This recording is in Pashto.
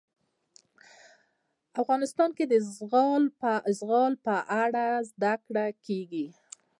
افغانستان کې د زغال په اړه زده کړه کېږي.